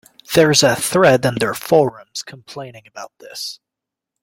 There's a thread in their forums complaining about this.